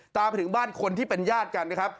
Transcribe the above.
ตามไปถึงบ้านคนที่เป็นญาติกันนะครับ